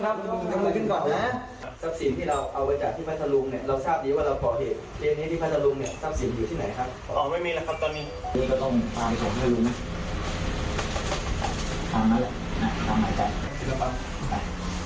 ทรัพย์สินที่เราเอาไว้จากที่พระทะลุง